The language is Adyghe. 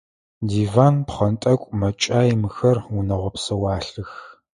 Диван, пхъэнтӏэкӏу, мэкӏай – мыхэр унэгъо псэуалъэх.